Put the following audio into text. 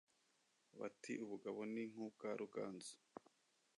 Bati “ubugabo ni nk’ubwa Ruganzu,